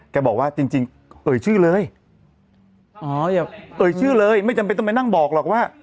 บอกว่าจริงจริงเอ่ยชื่อเลยอ๋ออย่าเอ่ยชื่อเลยไม่จำเป็นต้องไปนั่งบอกหรอกว่า